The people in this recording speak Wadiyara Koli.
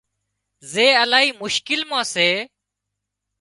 زي الاهي مشڪل مان سي